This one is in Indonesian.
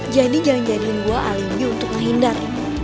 jadi jangan jadian gue alingi untuk menghindar